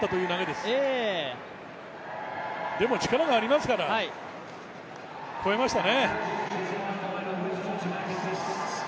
でも力がありますから、超えましたね。